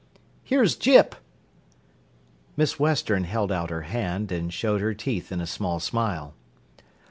"Here's Gyp!" Miss Western held out her hand and showed her teeth in a small smile.